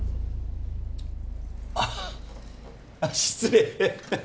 あっ失礼